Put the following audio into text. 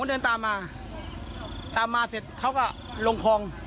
ผมเดินตามมาเสร็จเขาก็ลงคลอง